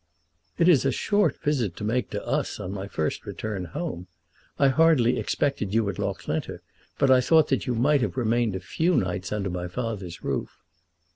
"It is a short visit to make to us on my first return home! I hardly expected you at Loughlinter, but I thought that you might have remained a few nights under my father's roof."